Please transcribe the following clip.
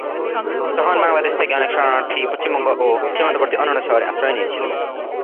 তখন বাংলাদেশ থেকে অনেক শরণার্থী পশ্চিমবঙ্গ ও সীমান্তবর্তী অন্যান্য শহরে আশ্রয় নিয়েছিল।